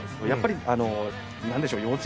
やっぱりあの何でしょう